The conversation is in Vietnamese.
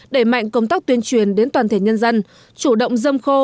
đẩy mạnh công tác tuyên truyền đến toàn thể nhân dân chủ động dâm khô